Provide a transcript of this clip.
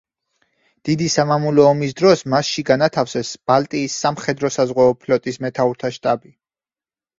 დიდი სამამულო ომის დროს მასში განათავსეს ბალტიის სამხედრო-საზღვაო ფლოტის მეთაურთა შტაბი.